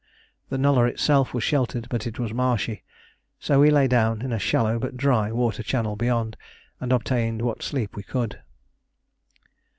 The nullah itself was sheltered, but it was marshy; so we lay down in a shallow but dry water channel beyond, and obtained what sleep we could.